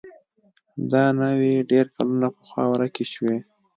دا نوعې ډېر کلونه پخوا ورکې شوې دي.